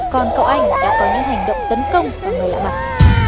còn cậu anh đã có những hành động tấn công vào người lạ mặt